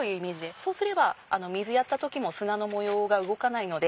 そうすれば水やった時も砂の模様が動かないので。